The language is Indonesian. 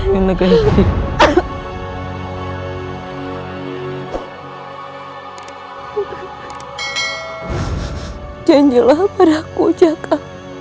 jangan jelah padaku jaka